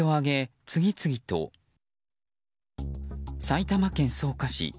埼玉県草加市。